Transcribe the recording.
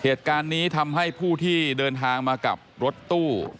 เหตุการณ์นี้ทำให้ผู้ที่เดินทางมากับรถตู้